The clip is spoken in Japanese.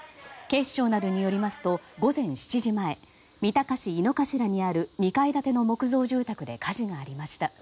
警視庁などによりますと午前７時前三鷹市井の頭にある２階建ての木造住宅で火事がありました。